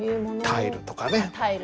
タイルとかね。